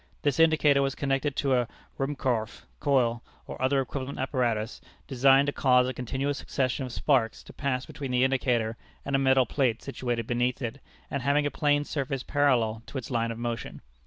This indicator was connected to a Ruhmkorff coil or other equivalent apparatus, designed to cause a continual succession of sparks to pass between the indicator, and a metal plate situated beneath it and having a plane surface parallel to its line of motion.